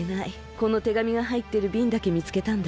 このてがみがはいってるびんだけみつけたんだ。